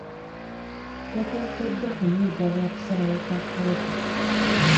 Totekeddwa kunyiiga lwa kusalawo kwa kooti.